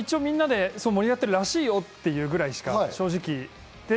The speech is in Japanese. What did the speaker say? みんなで盛り上がってるらしいよっていうことぐらい。